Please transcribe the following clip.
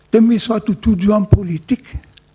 demi suatu tujuan politik